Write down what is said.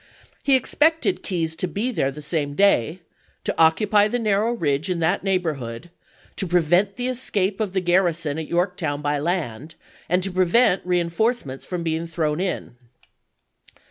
He expected Keyes to be there the same day, to occupy the narrow ridge in that 1862. neighborhood, " to prevent the escape of the garri son at Yorktown by land, and to prevent reenf orce ments from being thrown in."